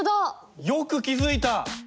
よく気付いた！